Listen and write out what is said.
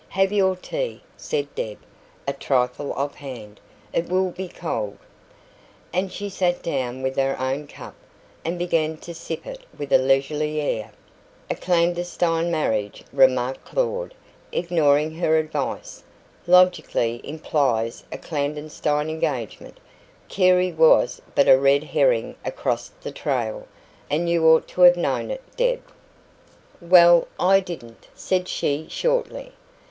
"Have your tea," said Deb, a trifle off hand; "it will be cold." And she sat down with her own cup, and began to sip it with a leisurely air. "A clandestine marriage," remarked Claud, ignoring her advice, "logically implies a clandestine engagement. Carey was but a red herring across the trail. And you ought to have known it, Deb." "Well, I didn't," said she shortly.